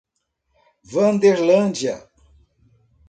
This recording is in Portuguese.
Wanderlândia